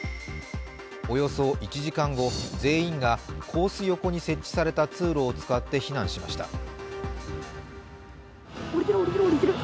およそ１時間後全員がコース横に設置された通路を使って避難しました。